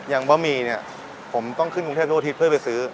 อย่างบะหมี่เนี้ยผมต้องขึ้นกรุงเทพทั่วทิศเพื่อไปซื้อ